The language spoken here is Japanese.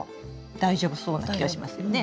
大丈夫そうな気がしますよね。